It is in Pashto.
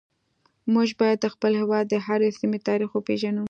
موږ باید د خپل هیواد د هرې سیمې تاریخ وپیژنو